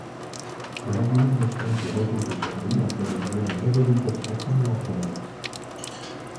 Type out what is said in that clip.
L’organisation du réseau de galeries a fait l'objet de modélisation tridimensionnelle.